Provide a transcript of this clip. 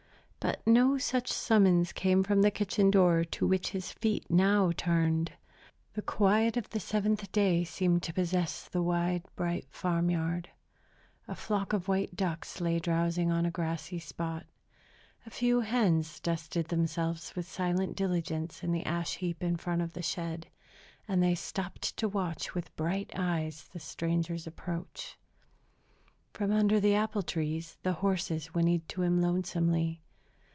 But no such summons came from the kitchen door to which his feet now turned. The quiet of the Seventh Day seemed to possess the wide, bright farm yard. A flock of white ducks lay drowsing on a grassy spot. A few hens dusted themselves with silent diligence in the ash heap in front of the shed; and they stopped to watch with bright eyes the stranger's approach. From under the apple trees the horses whinnied to him lonesomely.